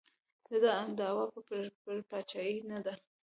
د ده دعوا پر پاچاهۍ نه ده.